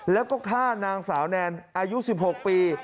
แล้วก็ฆ่านางสาวแนนอายุ๑๖ปี